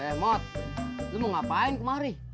eh mot lo mau ngapain kemari